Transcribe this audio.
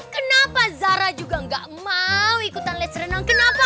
kenapa zara juga nggak mau ikutan les renang kenapa